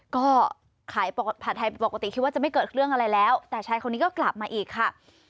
ก็ขายผัดไทยปกติคิดว่าจะไม่เกิดเรื่องอะไรแล้วแต่ชายคนนี้ก็กลับมาอีกค่ะ